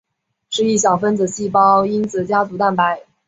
是一小分子细胞因子家族蛋白。